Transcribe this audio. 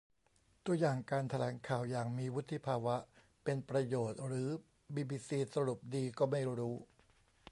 ตัวอย่างการแถลงข่าวอย่างมีวุฒิภาวะ เป็นประโยชน์ หรือบีบีซีสรุปดีก็ไม่รู้